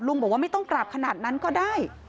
บอกว่าไม่ต้องกราบขนาดนั้นก็ได้